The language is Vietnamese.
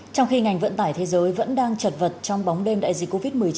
trong khi ngành vận tải thế giới vẫn đang chật vật trong bóng đêm đại dịch covid một mươi chín